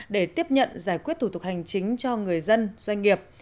để tiếp nhận giải quyết thủ tục hành chính cho người dân doanh nghiệp